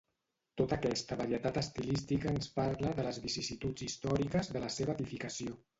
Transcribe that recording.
Tota aquesta varietat estilística ens parla de les vicissituds històriques de la seva edificació.